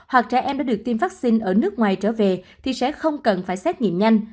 hoặc trẻ em đã được tiêm vaccine ở nước ngoài trở về thì sẽ không cần phải xét nghiệm nhanh